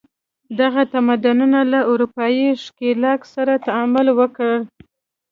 دغه تمدنونو له اروپايي ښکېلاک سره تعامل وکړ.